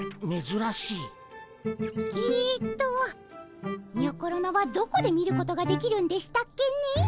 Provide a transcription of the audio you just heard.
えっとにょころのはどこで見ることができるんでしたっけねえ。